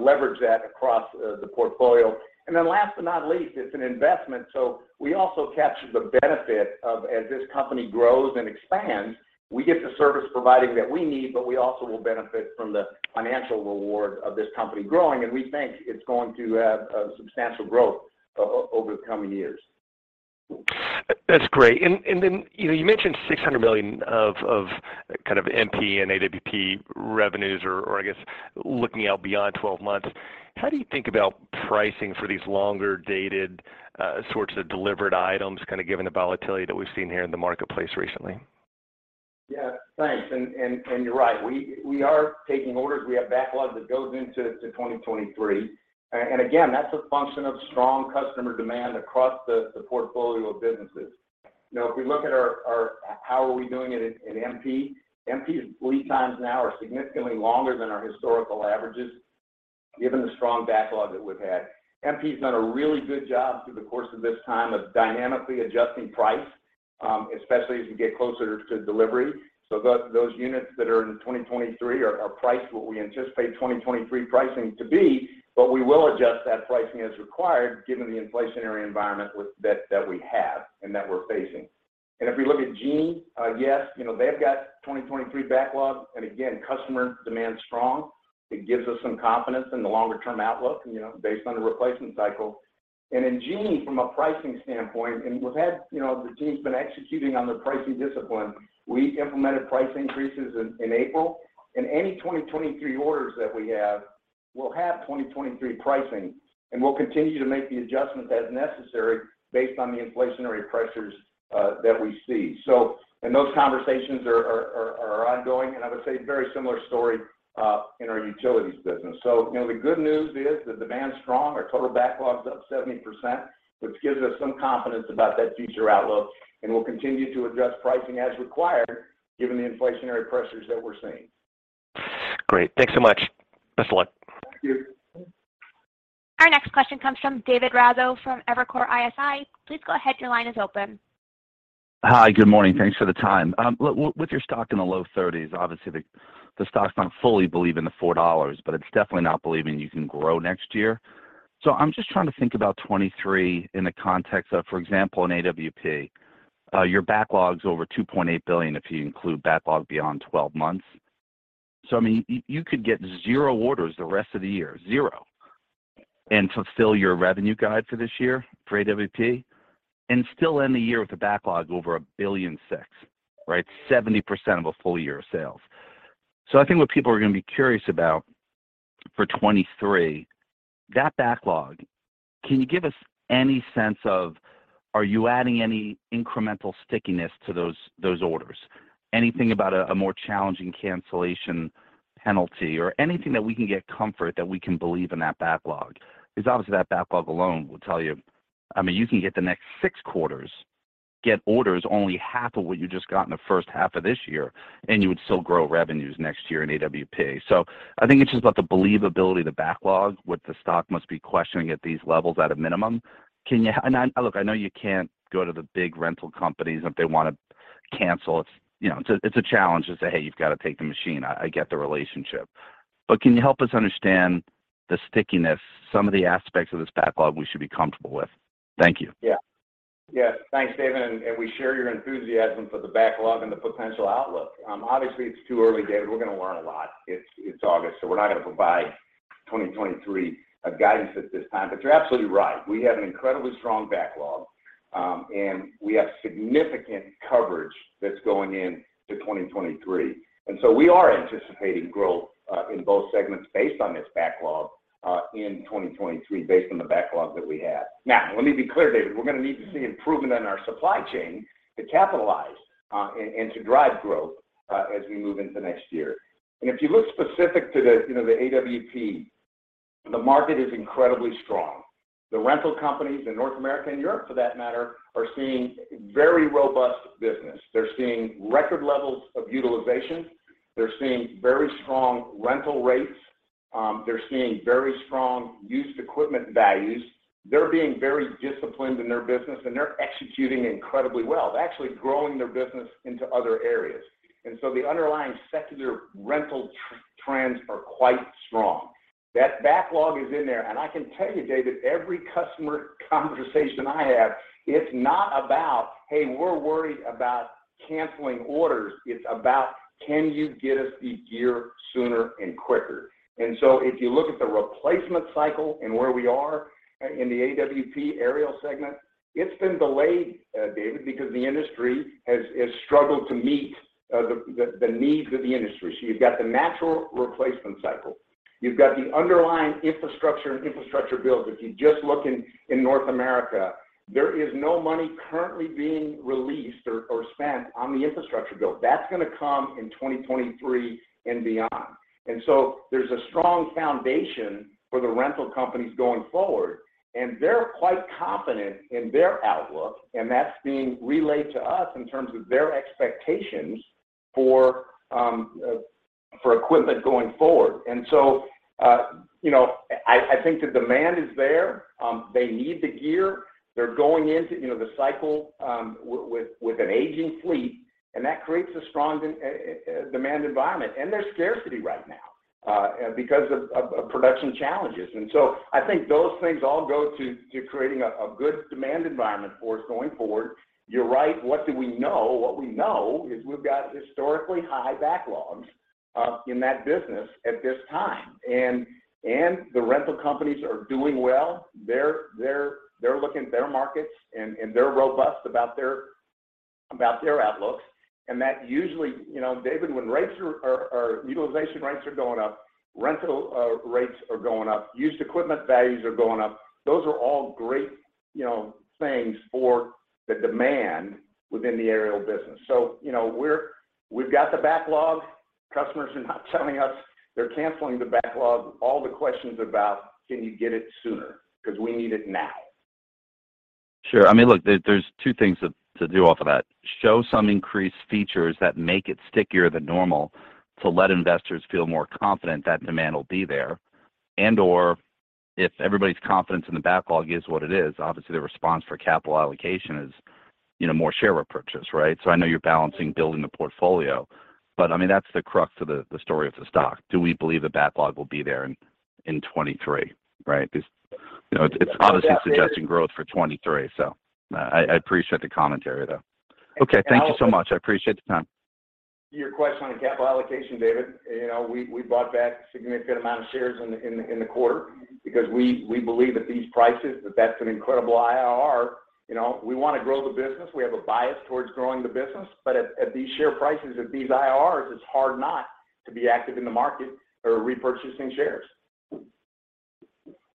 leverage that across the portfolio. Last but not least, it's an investment. We also capture the benefit of as this company grows and expands, we get the service providing that we need, but we also will benefit from the financial reward of this company growing. We think it's going to have substantial growth over the coming years. That's great. And then, you know, you mentioned $600 million of kind of MP and AWP revenues, or I guess looking out beyond 12 months. How do you think about pricing for these longer-dated sorts of delivered items, kind of given the volatility that we've seen here in the marketplace recently? Yeah. Thanks. You're right. We are taking orders. We have backlog that goes into 2023. Again, that's a function of strong customer demand across the portfolio of businesses. You know, if we look at how we're doing at MP's lead times now are significantly longer than our historical averages, given the strong backlog that we've had. MP's done a really good job through the course of this time of dynamically adjusting price, especially as we get closer to delivery. Those units that are in 2023 are priced what we anticipate 2023 pricing to be, but we will adjust that pricing as required given the inflationary environment that we have and that we're facing. If we look at Genie, yes, you know, they've got 2023 backlog, and again, customer demand's strong. It gives us some confidence in the longer-term outlook, you know, based on the replacement cycle. In Genie, from a pricing standpoint, and we've had, you know, the team's been executing on the pricing discipline. We implemented price increases in April. Any 2023 orders will have 2023 pricing, and we'll continue to make the adjustment as necessary based on the inflationary pressures that we see. Those conversations are ongoing, and I would say very similar story in our utilities business. So, you know, the good news is the demand's strong. Our total backlog's up 70%, which gives us some confidence about that future outlook, and we'll continue to adjust pricing as required given the inflationary pressures that we're seeing. Great. Thanks so much. Best of luck. Thank you. Our next question comes from David Raso from Evercore ISI. Please go ahead, your line is open. Hi, good morning. Thanks for the time. Look, with your stock in the low 30s, obviously the stock's not fully believing the $4, but it's definitely not believing you can grow next year. I'm just trying to think about 2023 in the context of, for example, in AWP, your backlog's over $2.8 billion if you include backlog beyond 12 months. I mean, you could get zero orders the rest of the year, zero, and fulfill your revenue guide for this year for AWP and still end the year with a backlog over $1.6 billion, right? 70% of a full year of sales. I think what people are gonna be curious about for 2023, that backlog, can you give us any sense of are you adding any incremental stickiness to those orders? Anything about a more challenging cancellation penalty or anything that we can get comfort that we can believe in that backlog? 'Cause obviously that backlog alone will tell you. I mean, you can get the next six quarters, get orders only half of what you just got in the first half of this year, and you would still grow revenues next year in AWP. I think it's just about the believability of the backlog, what the stock must be questioning at these levels at a minimum. Look, I know you can't go to the big rental companies if they wanna cancel. It's, you know, it's a challenge to say, "Hey, you've got to take the machine." I get the relationship. Can you help us understand the stickiness, some of the aspects of this backlog we should be comfortable with? Thank you. Thanks, David, and we share your enthusiasm for the backlog and the potential outlook. Obviously it's too early, David. We're gonna learn a lot. It's August, so we're not gonna provide 2023 guidance at this time. You're absolutely right. We have an incredibly strong backlog, and we have significant coverage that's going in to 2023. We are anticipating growth in both segments based on this backlog in 2023 based on the backlog that we have. Now, let me be clear, David. We're gonna need to see improvement in our supply chain to capitalize and to drive growth as we move into next year. If you look specific to the, you know, the AWP, the market is incredibly strong. The rental companies in North America and Europe for that matter are seeing very robust business. They're seeing record levels of utilization. They're seeing very strong rental rates. They're seeing very strong used equipment values. They're being very disciplined in their business, and they're executing incredibly well. They're actually growing their business into other areas. The underlying secular rental trends are quite strong. That backlog is in there, and I can tell you, David, every customer conversation I have, it's not about, "Hey, we're worried about canceling orders." It's about, "Can you get us the gear sooner and quicker?" If you look at the replacement cycle and where we are in the AWP Aerial segment, it's been delayed, David, because the industry has struggled to meet the needs of the industry. You've got the natural replacement cycle. You've got the underlying infrastructure and infrastructure bills. If you just look in North America, there is no money currently being released or spent on the infrastructure bill. That's gonna come in 2023 and beyond. There's a strong foundation for the rental companies going forward, and they're quite confident in their outlook, and that's being relayed to us in terms of their expectations for equipment going forward. You know, I think the demand is there. They need the gear. They're going into you know, the cycle with an aging fleet, and that creates a strong demand environment. There's scarcity right now because of production challenges. I think those things all go to creating a good demand environment for us going forward. You're right. What do we know? What we know is we've got historically high backlogs in that business at this time. The rental companies are doing well. They're looking at their markets and they're robust about their outlooks. You know, David, when utilization rates are going up, rental rates are going up, used equipment values are going up, those are all great, you know, things for the demand within the aerial business. You know, we've got the backlog. Customers are not telling us they're canceling the backlog. All the questions about, "Can you get it sooner? Because we need it now. Sure. I mean, look, there's two things to do off of that. Show some increased features that make it stickier than normal to let investors feel more confident that demand will be there and/or if everybody's confidence in the backlog is what it is, obviously the response for capital allocation is, you know, more share repurchase, right? I know you're balancing building the portfolio. I mean, that's the crux of the story of the stock. Do we believe the backlog will be there in 2023, right? Yeah, David. You know, it's obviously suggesting growth for 2023. I appreciate the commentary though. And I'll- Okay. Thank you so much. I appreciate the time. Your question on capital allocation, David, you know, we bought back a significant amount of shares in the quarter. Because we believe at these prices that that's an incredible IRR. You know, we wanna grow the business. We have a bias towards growing the business. At these share prices and these IRRs, it's hard not to be active in the market or repurchasing shares.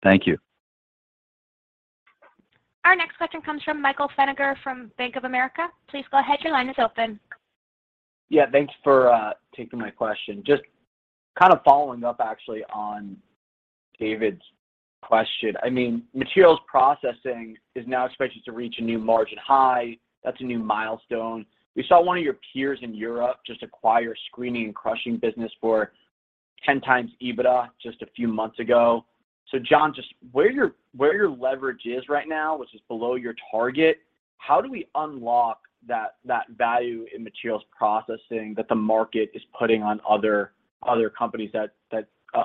Thank you. Our next question comes from Michael Feniger from Bank of America. Please go ahead. Your line is open. Yeah, thanks for taking my question. Just kind of following up actually on David's question. I mean, Materials Processing is now expected to reach a new margin high. That's a new milestone. We saw one of your peers in Europe just acquire screening and crushing business for 10x EBITDA just a few months ago. John, just where your leverage is right now, which is below your target, how do we unlock that value in Materials Processing that the market is putting on other companies that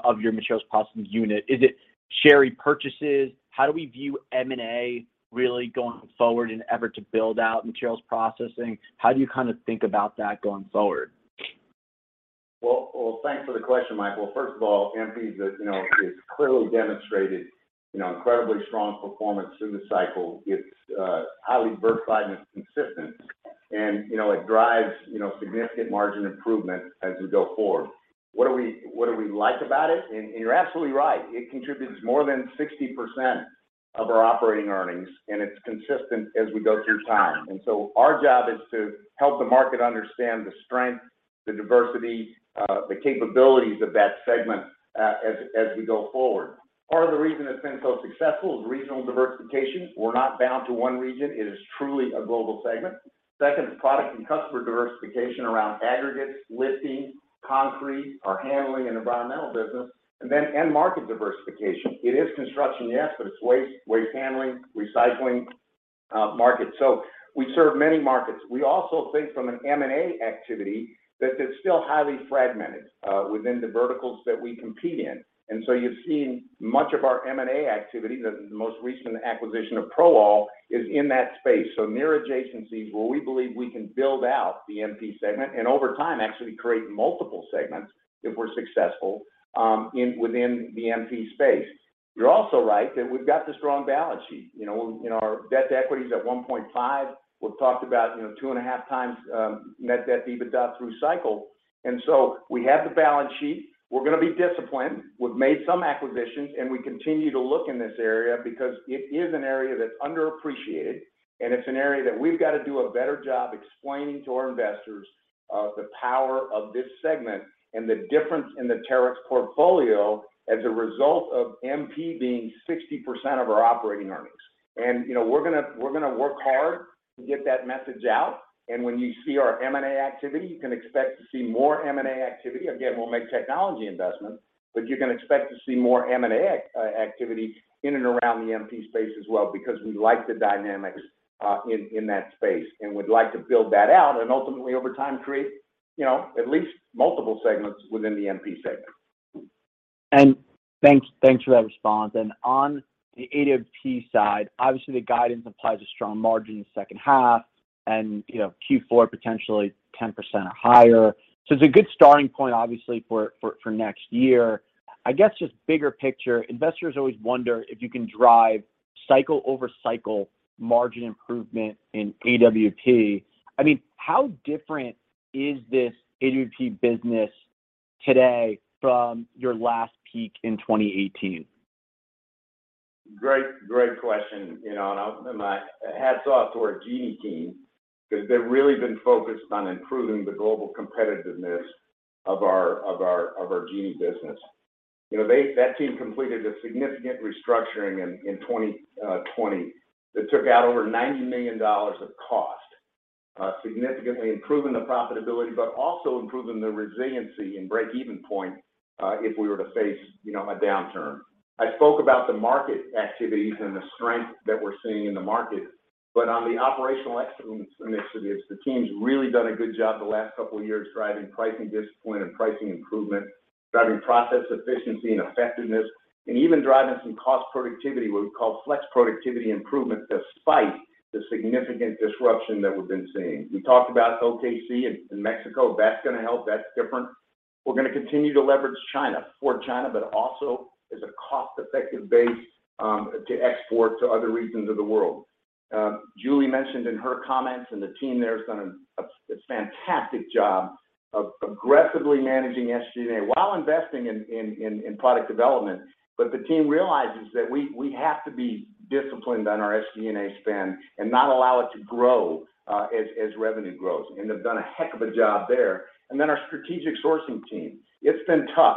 of your Materials Processing unit? Is it share repurchases? How do we view M&A really going forward in effort to build out Materials Processing? How do you kinda think about that going forward? Well, thanks for the question, Michael. First of all, MP, you know, has clearly demonstrated, you know, incredibly strong performance through the cycle. It's highly diversified and consistent and, you know, it drives, you know, significant margin improvement as we go forward. What do we like about it? You're absolutely right. It contributes more than 60% of our operating earnings, and it's consistent as we go through time. Our job is to help the market understand the strength, the diversity, the capabilities of that segment, as we go forward. Part of the reason it's been so successful is regional diversification. We're not bound to one region. It is truly a global segment. Second is product and customer diversification around aggregates, lifting, concrete, our handling and environmental business, and market diversification. It is construction, yes, but it's waste handling, recycling markets. We serve many markets. We also think from an M&A activity that it's still highly fragmented within the verticals that we compete in. You've seen much of our M&A activity. The most recent acquisition of ProAll is in that space. Near adjacencies where we believe we can build out the MP segment and over time actually create multiple segments if we're successful within the MP space. You're also right that we've got the strong balance sheet. You know, our debt to equity is at 1.5. We've talked about, you know, 2.5x net debt EBITDA through cycle. We have the balance sheet. We're gonna be disciplined. We've made some acquisitions, and we continue to look in this area because it is an area that's underappreciated, and it's an area that we've got to do a better job explaining to our investors the power of this segment and the difference in the Terex portfolio as a result of MP being 60% of our operating earnings. You know, we're gonna work hard to get that message out. When you see our M&A activity, you can expect to see more M&A activity. Again, we'll make technology investments, but you can expect to see more M&A activity in and around the MP space as well because we like the dynamics in that space. We'd like to build that out and ultimately over time create you know at least multiple segments within the MP segment. Thanks for that response. On the AWP side, obviously, the guidance implies a strong margin in the second half and, you know, Q4 potentially 10% or higher. It's a good starting point obviously for next year. I guess just bigger picture, investors always wonder if you can drive cycle over cycle margin improvement in AWP. I mean, how different is this AWP business today from your last peak in 2018? Great, great question. You know, hats off to our Genie team because they've really been focused on improving the global competitiveness of our Genie business. You know, that team completed a significant restructuring in 2020 that took out over $90 million of cost, significantly improving the profitability but also improving the resiliency and break-even point, if we were to face, you know, a downturn. I spoke about the market activities and the strength that we're seeing in the market. On the operational excellence initiatives, the team's really done a good job the last couple years driving pricing discipline and pricing improvement, driving process efficiency and effectiveness, and even driving some cost productivity, what we call flex productivity improvement, despite the significant disruption that we've been seeing. We talked about OKC and Mexico. That's gonna help. That's different. We're gonna continue to leverage China for China, but also as a cost-effective base to export to other regions of the world. Julie mentioned in her comments, and the team there has done a fantastic job of aggressively managing SG&A while investing in product development. The team realizes that we have to be disciplined on our SG&A spend and not allow it to grow as revenue grows. They've done a heck of a job there. Then our strategic sourcing team. It's been tough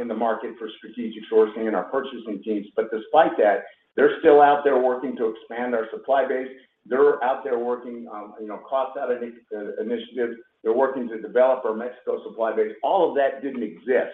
in the market for strategic sourcing and our purchasing teams. Despite that, they're still out there working to expand our supply base. They're out there working on, you know, cost out initiatives. They're working to develop our Mexico supply base. All of that didn't exist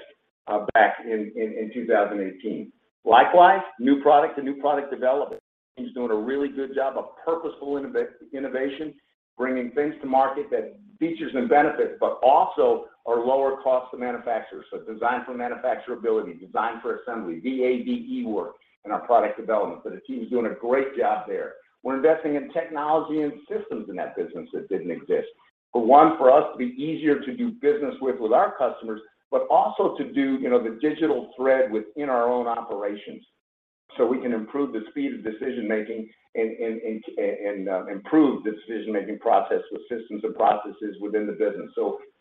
back in 2018. Likewise, new products and new product development. Team's doing a really good job of purposeful innovation, bringing things to market that features and benefits, but also are lower cost to manufacture. Design for manufacturability, design for assembly, VA/VE work in our product development, but the team's doing a great job there. We're investing in technology and systems in that business that didn't exist. For one, for us to be easier to do business with our customers, but also to do, you know, the digital thread within our own operations, so we can improve the speed of decision-making and improve decision-making process with systems and processes within the business.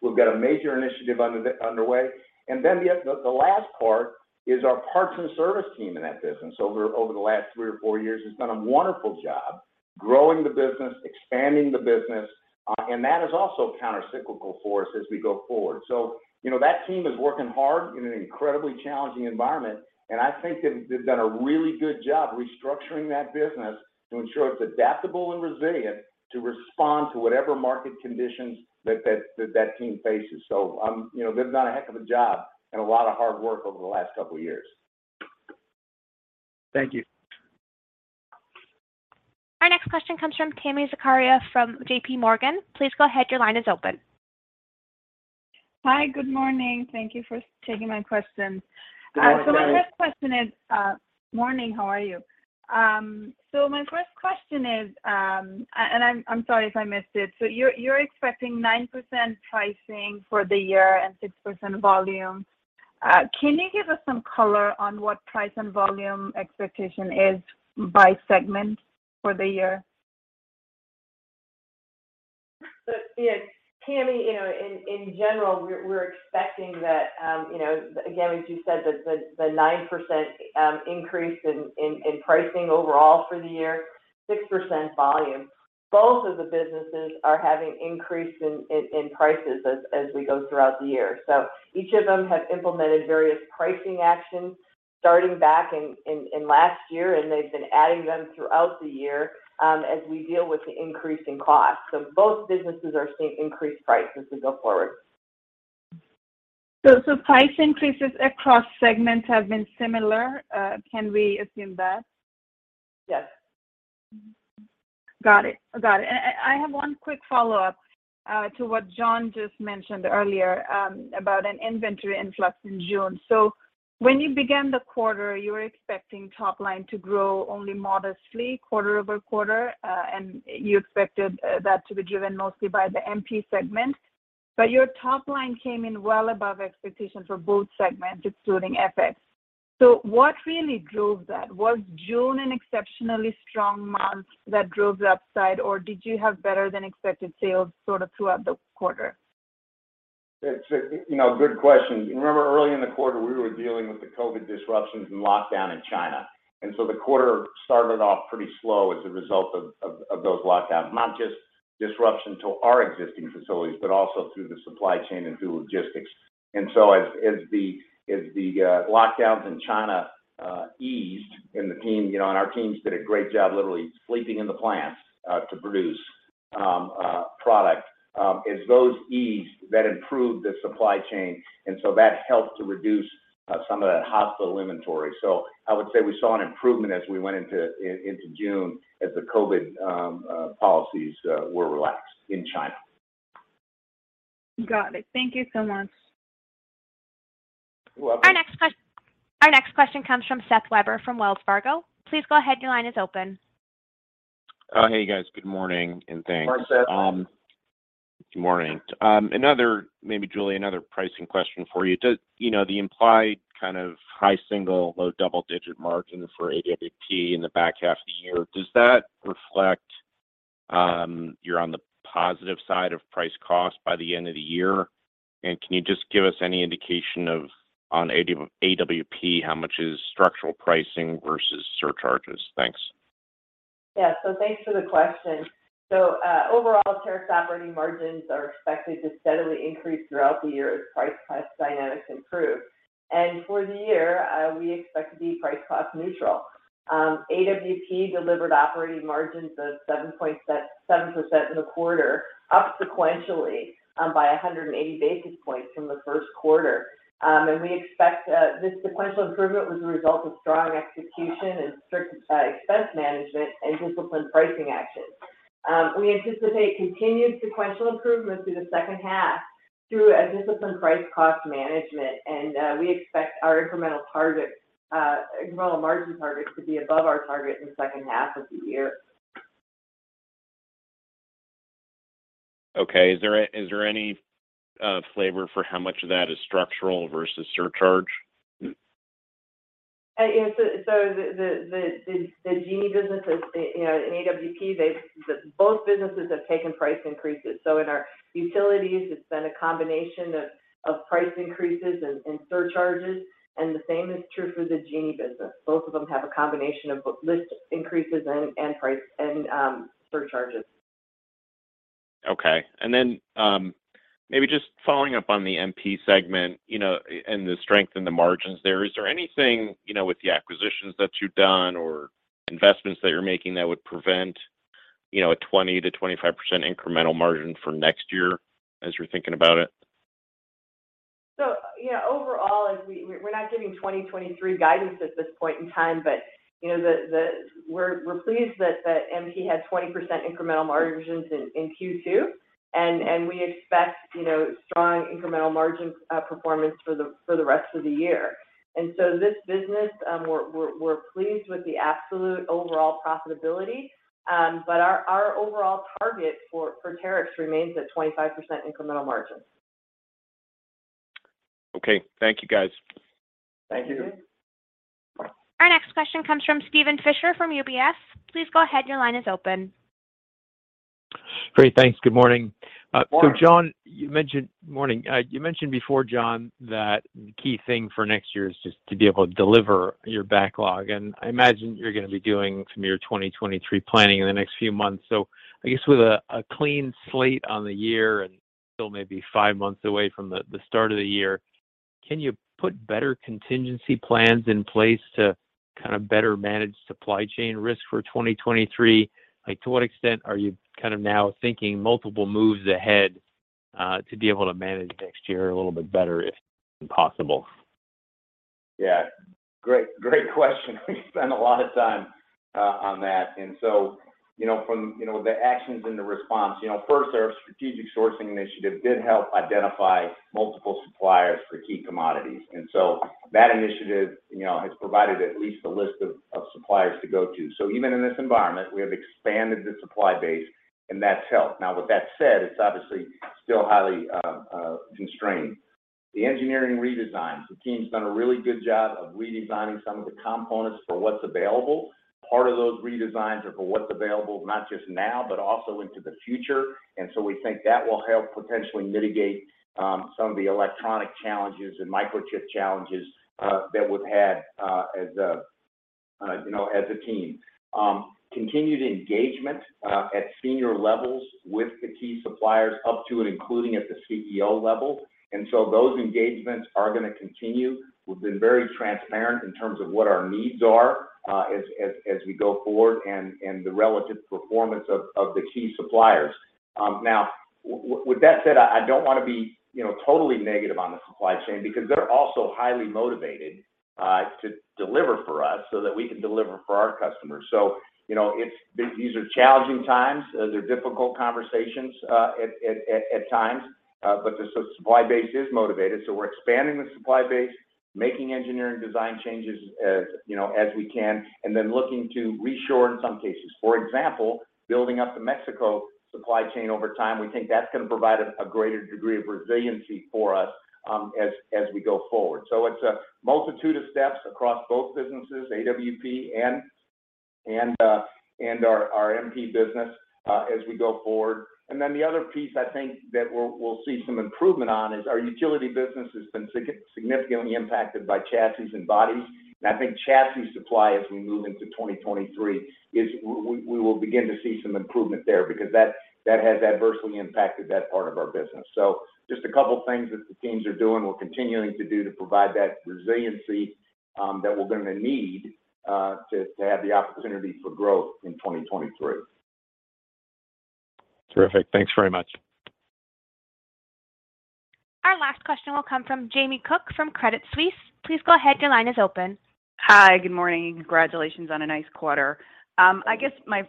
We've got a major initiative underway. The last part is our parts and service team in that business over the last three or four years has done a wonderful job growing the business, expanding the business, and that is also countercyclical for us as we go forward. You know, that team is working hard in an incredibly challenging environment, and I think they've done a really good job restructuring that business to ensure it's adaptable and resilient to respond to whatever market conditions that team faces. You know, they've done a heck of a job and a lot of hard work over the last couple years. Thank you. Our next question comes from Tami Zakaria from JPMorgan. Please go ahead. Your line is open. Hi. Good morning. Thank you for taking my question. Good morning. Morning, how are you? My first question is, and I'm sorry if I missed it. You're expecting 9% pricing for the year and 6% volume. Can you give us some color on what price and volume expectation is by segment for the year? Yeah, Tami, you know, in general, we're expecting that, you know, again, as you said, the 9% increase in pricing overall for the year, 6% volume. Both of the businesses are having increase in prices as we go throughout the year. Each of them have implemented various pricing actions starting back in last year, and they've been adding them throughout the year, as we deal with the increase in costs. Both businesses are seeing increased prices as we go forward. Price increases across segments have been similar. Can we assume that? Yes. Got it. I have one quick follow-up to what John just mentioned earlier about an inventory influx in June. When you began the quarter, you were expecting top line to grow only modestly quarter-over-quarter, and you expected that to be driven mostly by the MP segment. Your top line came in well above expectations for both segments, excluding FX. What really drove that? Was June an exceptionally strong month that drove the upside, or did you have better than expected sales sort of throughout the quarter? It's a you know good question. Remember, early in the quarter, we were dealing with the COVID disruptions and lockdown in China, and the quarter started off pretty slow as a result of those lockdowns. Not just disruption to our existing facilities, but also through the supply chain and through logistics. The lockdowns in China eased and the team you know and our teams did a great job literally sleeping in the plants to produce product. Those eased, that improved the supply chain, and that helped to reduce some of that built inventory. I would say we saw an improvement as we went into June as the COVID policies were relaxed in China. Got it. Thank you so much. You're welcome. Our next question comes from Seth Weber from Wells Fargo. Please go ahead. Your line is open. Oh, hey, guys. Good morning, and thanks. Morning, Seth. Good morning. Maybe Julie, another pricing question for you. Does, you know, the implied kind of high single-digit, low double-digit margin for AWP in the back half of the year, does that reflect you're on the positive side of price cost by the end of the year? Can you just give us any indication of, on AWP, how much is structural pricing versus surcharges? Thanks. Thanks for the question. Overall, Terex operating margins are expected to steadily increase throughout the year as price/cost dynamics improve. For the year, we expect to be price/cost neutral. AWP delivered operating margins of 7.7% in the quarter, up sequentially by 180 basis points from the first quarter. We expect this sequential improvement was a result of strong execution and strict expense management and disciplined pricing actions. We anticipate continued sequential improvements through the second half through a disciplined price/cost management. We expect our incremental margin targets to be above our target in the second half of the year. Okay. Is there any flavor for how much of that is structural versus surcharge? The Genie businesses in AWP, both businesses, have taken price increases. In our utilities, it's been a combination of price increases and surcharges, and the same is true for the Genie business. Both of them have a combination of list increases and price surcharges. Okay. Maybe just following up on the MP segment, you know, and the strength in the margins there, is there anything, you know, with the acquisitions that you've done or investments that you're making that would prevent, you know, a 20%-25% incremental margin for next year as you're thinking about it? You know, overall we're not giving 2023 guidance at this point in time. You know, we're pleased that MP had 20% incremental margins in Q2. We expect, you know, strong incremental margin performance for the rest of the year. This business, we're pleased with the absolute overall profitability. But our overall target for Terex remains at 25% incremental margins. Okay. Thank you, guys. Thank you. Our next question comes from Steven Fisher from UBS. Please go ahead. Your line is open. Great. Thanks. Good morning. Morning. John, you mentioned before, John, that the key thing for next year is just to be able to deliver your backlog. I imagine you're gonna be doing some of your 2023 planning in the next few months. I guess with a clean slate on the year and still maybe five months away from the start of the year, can you put better contingency plans in place to kind of better manage supply chain risk for 2023? Like, to what extent are you kind of now thinking multiple moves ahead, to be able to manage next year a little bit better, if possible? Yeah. Great question. We spend a lot of time on that. You know, from you know the actions and the response. You know, first, our strategic sourcing initiative did help identify multiple suppliers for key commodities. That initiative you know has provided at least a list of suppliers to go to. Even in this environment, we have expanded the supply base, and that's helped. Now with that said, it's obviously still highly constrained. The engineering redesigns, the team's done a really good job of redesigning some of the components for what's available. Part of those redesigns are for what's available, not just now, but also into the future. We think that will help potentially mitigate some of the electronic challenges and microchip challenges that we've had as a you know as a team. Continued engagement at senior levels with the key suppliers up to and including at the CEO level. Those engagements are gonna continue. We've been very transparent in terms of what our needs are as we go forward and the relative performance of the key suppliers. Now with that said, I don't wanna be, you know, totally negative on the supply chain because they're also highly motivated to deliver for us so that we can deliver for our customers. You know, these are challenging times. They're difficult conversations at times. The supply base is motivated, so we're expanding the supply base, making engineering design changes, as you know, as we can and then looking to reshore in some cases. For example, building up the Mexico supply chain over time. We think that's gonna provide a greater degree of resiliency for us, as we go forward. It's a multitude of steps across both businesses, AWP and our MP business, as we go forward. Then the other piece I think that we'll see some improvement on is our utility business has been significantly impacted by chassis and bodies. I think chassis supply as we move into 2023 is we will begin to see some improvement there because that has adversely impacted that part of our business. Just a couple things that the teams are doing, we're continuing to do to provide that resiliency that we're gonna need to have the opportunity for growth in 2023. Terrific. Thanks very much. Our last question will come from Jamie Cook from Credit Suisse. Please go ahead. Your line is open. Hi. Good morning. Congratulations on a nice quarter. I guess my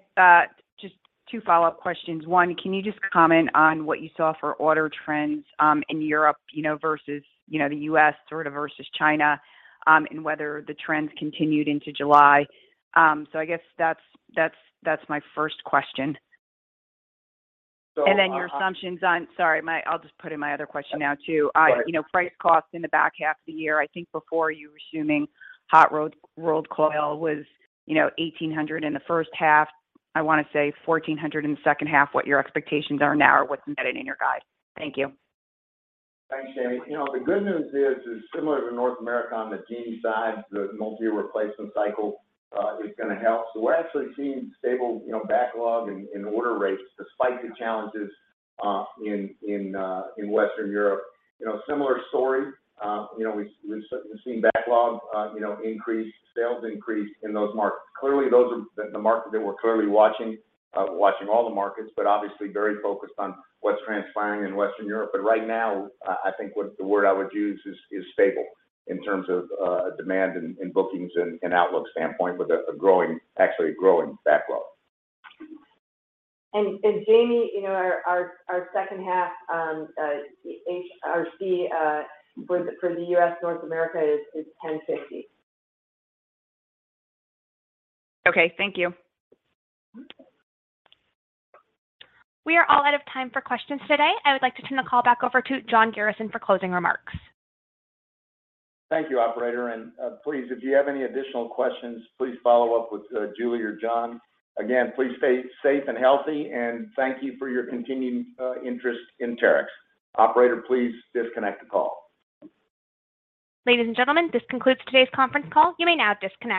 just two follow-up questions. One, can you just comment on what you saw for order trends in Europe, you know, versus, you know, the U.S. sort of versus China, and whether the trends continued into July? I guess that's my first question. Sorry, I'll just put in my other question now too. Sure. You know, price cost in the back half of the year. I think before you were assuming hot-rolled coil was, you know, $1,800 in the first half. I wanna say $1,400 in the second half, what your expectations are now or what's embedded in your guide. Thank you. Thanks, Jamie. You know, the good news is similar to North America on the Genie side, the multi-year replacement cycle is gonna help. We're actually seeing stable, you know, backlog and order rates despite the challenges in Western Europe. You know, similar story. You know, we've seen backlog increase, sales increase in those markets. Clearly, those are the markets that we're clearly watching. Watching all the markets, but obviously very focused on what's transpiring in Western Europe. Right now, I think what the word I would use is stable in terms of demand and bookings and outlook standpoint with a growing, actually growing backlog. Jamie, you know, our second half was for the U.S. North America is 1,050. Okay. Thank you. We are all out of time for questions today. I would like to turn the call back over to John Garrison for closing remarks. Thank you, operator. Please, if you have any additional questions, please follow up with Julie or John. Again, please stay safe and healthy, and thank you for your continuing interest in Terex. Operator, please disconnect the call. Ladies and gentlemen, this concludes today's conference call. You may now disconnect.